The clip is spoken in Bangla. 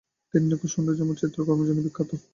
তিনি নিখুঁত ও সৌন্দর্যময় চিত্রকর্মের জন্য বিখ্যাত।